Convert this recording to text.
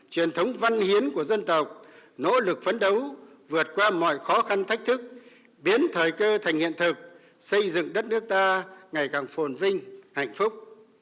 truyền thống văn hiến của dân tộc nỗ lực phấn đấu vượt qua mọi khó khăn thách thức biến thời cơ thành hiện thực xây dựng đất nước ta ngày càng phồn vinh hạnh phúc